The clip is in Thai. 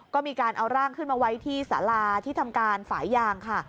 ก็มีการเอาร่างขึ้นมาไว้ที่สาราที่ทำการฝ่ายยางค่ะ